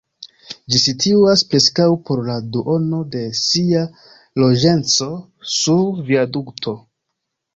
Ĝi situas preskaŭ por la duono de sia longeco sur viadukto.